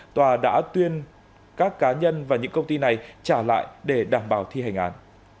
tòa đã tuyên các cá nhân và những công ty này trả lại để đảm bảo thi hành án